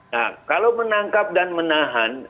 nah kalau menangkap dan menahan